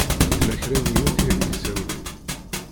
Tella kra n yiwet i ak-d-isawlen.